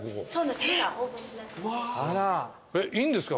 えっいいんですか？